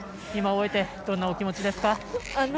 今、終えてどんなお気持ちですか？